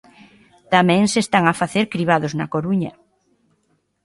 Tamén se están a facer cribados na Coruña.